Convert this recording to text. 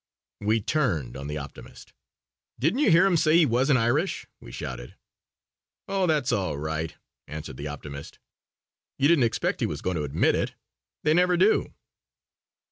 We turned on the optimist. "Didn't you hear him say he wasn't Irish?" we shouted. "Oh, that's all right," answered the optimist, "you didn't expect he was going to admit it. They never do."